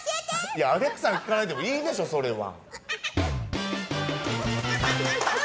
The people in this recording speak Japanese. いや、アレクサに聞かないでもいいでしょ、それは。